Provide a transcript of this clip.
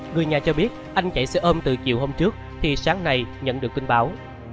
người nhà cho biết anh chạy xe ôm từ chiều hôm trước thì sáng nay nhận được tin báo